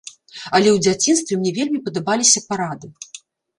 Але ў дзяцінстве мне вельмі падабаліся парады.